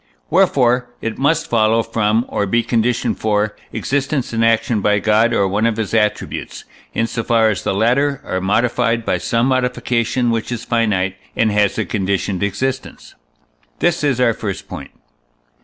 Wherefore it must follow from, or be conditioned for, existence and action by God or one of his attributes, in so far as the latter are modified by some modification which is finite, and has a conditioned existence. This is our first point.